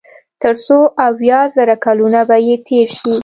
تر څو اويا زره کلونه به ئې تېر شي